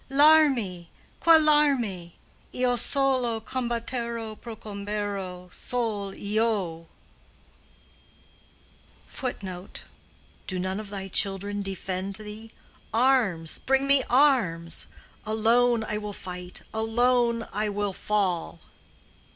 L'armi, qua l'armi: io solo Combatterò, procomberò sol io"—[*] [* Do none of thy children defend thee? Arms! bring me arms! alone I will fight, alone I will fall.